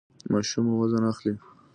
ماشوم مو وزن اخلي؟